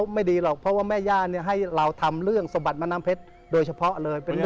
ไม่ดีหรอกเพราะว่าแม่ย่าเนี่ยให้เราทำเรื่องสมบัติแม่น้ำเพชรโดยเฉพาะเลยเป็นเรื่อง